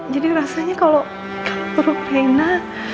jadi rasanya kalau ikan perut rena